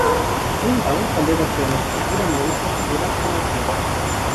Greenbaum també va crear l'escultura mòbil que figura en el film.